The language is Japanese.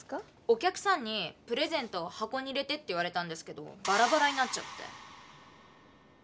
おきゃくさんにプレゼントをはこに入れてって言われたんですけどバラバラになっちゃって。